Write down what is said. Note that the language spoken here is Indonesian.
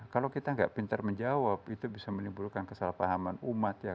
kalau kita nggak pintar menjawab itu bisa menimbulkan kesalahpahaman umat ya